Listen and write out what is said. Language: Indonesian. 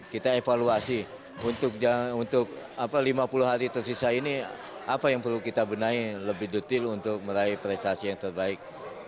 kita evaluasi untuk lima puluh hari tersisa ini apa yang perlu kita benahi lebih detail untuk meraih prestasi yang terbaik